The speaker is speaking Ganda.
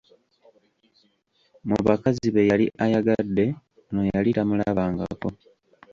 Mu bakazi be yali ayagadde ono yali tamulabangako!